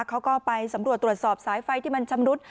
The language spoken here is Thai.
เขาก็ไปสำรวจตรวจสอบสายไฟที่มันชำรุด